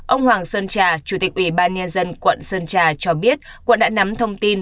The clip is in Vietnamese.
ông hoàng sơn trà chủ tịch ủy ban nhân dân quận sơn trà cho biết quận đã nắm thông tin